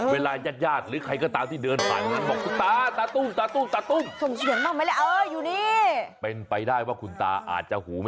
เวลายาดหรือใครก็ตามที่เดินป่านมาบอกคุณตาตาตูบ